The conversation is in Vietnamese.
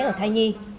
ở thái nhi